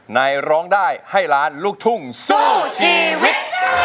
ร้องได้ให้ล้านลูกทุ่งสู้ชีวิต